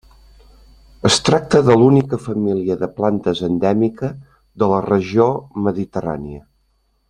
Es tracta de l'única família de plantes endèmica de la regió mediterrània.